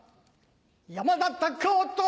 山田隆夫と！